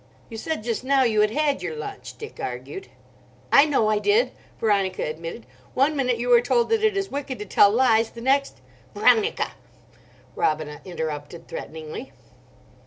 "You said just now you had had your lunch," Dick argued. "I know I did," Veronica admitted. "One minute you are told that it is wicked to tell lies; the next—" "Veronica!" Robina interrupted threateningly.